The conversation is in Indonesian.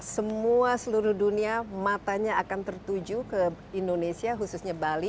semua seluruh dunia matanya akan tertuju ke indonesia khususnya bali